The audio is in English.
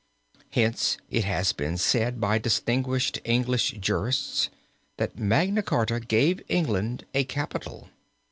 Hence it has been said by distinguished English jurists that Magna Charta gave England a Capital.